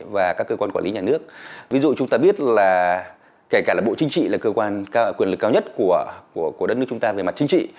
và các cơ quan quản lý nhà nước ví dụ chúng ta biết là kể cả là bộ chính trị là cơ quan quyền lực cao nhất của đất nước chúng ta về mặt chính trị